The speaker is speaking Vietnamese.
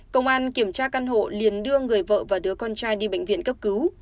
công an kiểm tra căn hộ liền đưa người vợ và đứa con trai đi bệnh viện cấp cứu